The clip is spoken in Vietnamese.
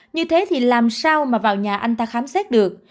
như thế thì làm sao mà vào nhà anh ta khám xét được